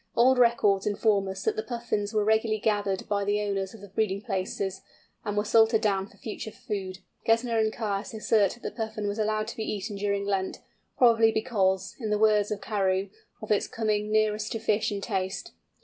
Old records inform us that the young Puffins were regularly gathered by the owners of the breeding places, and were salted down for future food. Gesner and Caius assert that the Puffin was allowed to be eaten during Lent, probably because, in the words of Carew, of its coming nearest to fish in taste.